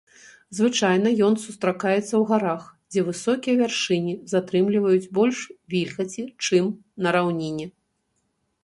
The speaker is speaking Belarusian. Звычайна ён сустракаецца ў гарах, дзе высокія вяршыні затрымліваюць больш вільгаці, чым на раўніне.